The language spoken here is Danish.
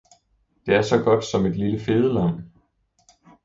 Det er så godt som et lille fedelam!